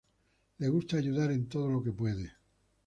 Le gusta ayudar en todo lo que puede.